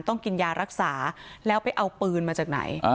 ต้องกินยารักษาแล้วไปเอาปืนมาจากไหน